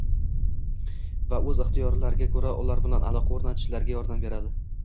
va o‘z ixtiyorlariga ko‘ra ular bilan aloqa o‘rnatishlariga yordam beradi.